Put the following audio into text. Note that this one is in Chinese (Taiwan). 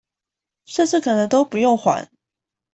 甚至可能都不用還